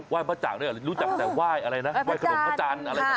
ว่ายบะจางรู้จักแต่ว่ายอะไรนะว่ายขนมพระจันทร์อะไรแบบนี้ใช่ไหม